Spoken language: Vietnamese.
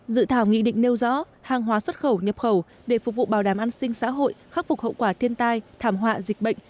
dự thảo nghị định nêu rõ hàng hóa xuất khẩu nhập khẩu để phục vụ bảo đảm an sinh xã hội khắc phục hậu quả thiên tai thảm họa dịch bệnh